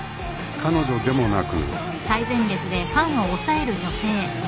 ［彼女でもなく］